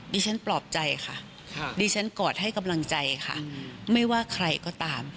ปลอบใจค่ะดิฉันกอดให้กำลังใจค่ะไม่ว่าใครก็ตาม